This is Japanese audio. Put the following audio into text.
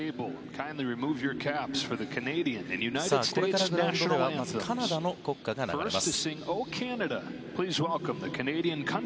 これからグラウンドではまずカナダの国歌が流れます。